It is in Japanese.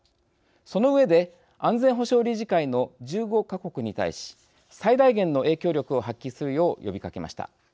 その上で安全保障理事会の１５か国に対し最大限の影響力を発揮するよう呼びかけました。